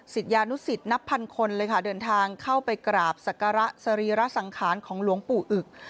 ศิษยานุสิตนับพันคนเลยค่ะเดินทางเข้าไปกราบศักระสรีระสังขารของหลวงปู่อึก